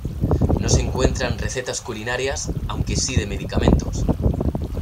No se encuentran recetas culinarias, aunque sí de medicamentos.